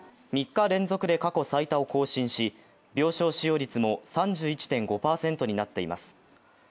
３日連続で過去最多を更新し病床使用率も３１．５％になっています。